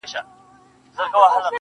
که هر څو خلګ ږغېږي چي بدرنګ یم,